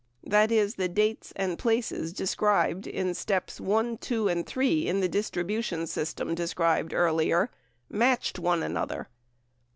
That, is, the dates and places described in steps (1), (2), and (3) in the distribution system described earlier 91 "matched" one another.